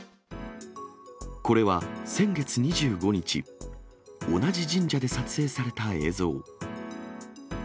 これは先月２５日、同じ神社で撮影された映像。